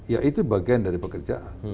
ya itu bagian dari pekerjaan